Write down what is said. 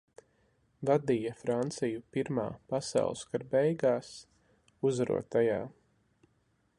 Vadīja Franciju Pirmā pasaules kara beigās, uzvarot tajā.